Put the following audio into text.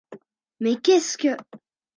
Mais qu’est-ce que– ?